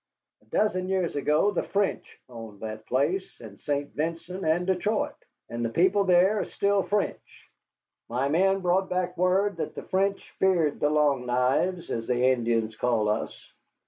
A dozen years ago the French owned that place, and St. Vincent, and Detroit, and the people there are still French. My men brought back word that the French feared the Long Knives, as the Indians call us.